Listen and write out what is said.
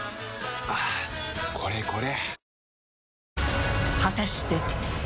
はぁこれこれ！